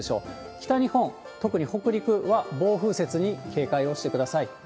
北日本、特に北陸は暴風雪に警戒をしてください。